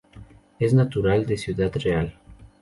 Es natural de Ciudad Real.